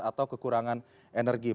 atau kekurangan energi